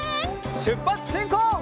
しゅっぱつしんこう！